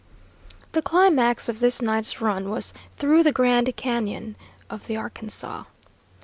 The climax of this night's run was through the Grand Cañon of the Arkansas.